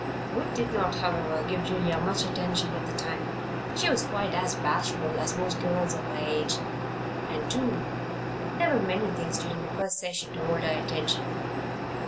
Ruth did not, however, give Julia much attention at the time. She was quite as bashful as most girls of her age; and, too, there were many things during that first session to hold her attention.